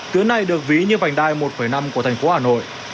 tuyến này được ví như vành đai một năm của thành phố hà nội